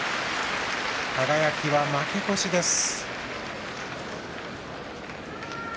輝は負け越しです。